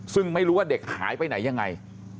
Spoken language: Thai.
ซึ่งไม่รู้ว่าเด็กหายไปไหนยังไง